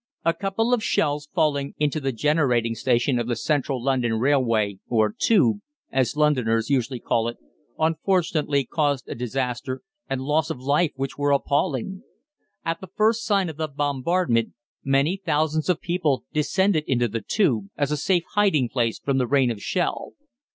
A couple of shells falling into the generating station of the Central London Railway, or "Tube," as Londoners usually call it, unfortunately caused a disaster and loss of life which were appalling. At the first sign of the bombardment many thousands of people descended into the "Tube" as a safe hiding place from the rain of shell.